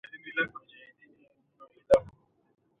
ازادي راډیو د د انتخاباتو بهیر په اړه سیمه ییزې پروژې تشریح کړې.